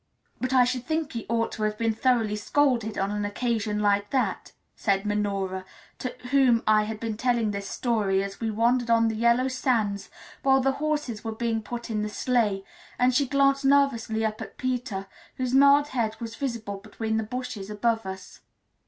"But I should think he ought to have been thoroughly scolded on an occasion like that," said Minora, to whom I had been telling this story as we wandered on the yellow sands while the horses were being put in the sleigh; and she glanced nervously up at Peter, whose mild head was visible between the bushes above us.